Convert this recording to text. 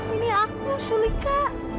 ini aku sulika